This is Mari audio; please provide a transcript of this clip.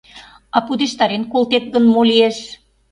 А пудештарен колтет гын, мо лиеш?